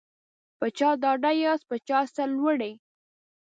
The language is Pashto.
په چا ډاډه یاست په چا سرلوړي